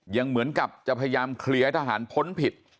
ยังเหมือนกับจะพยายามเคลียร์ให้ทหารพ้นผิด